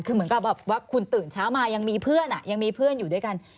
คือเหมือนกับแบบว่าคุณตื่นเช้ามายังมีเพื่อนยังมีเพื่อนอยู่ด้วยกัน